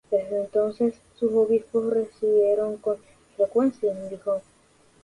Desde entonces, sus obispos residieron con frecuencia en Dijon.